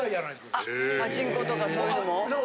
パチンコとかそういうのも？